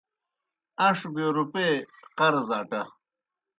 ان٘ݜ بِیو روپیئے قرض اٹہ۔